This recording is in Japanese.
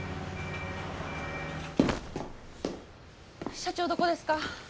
社長どこですか？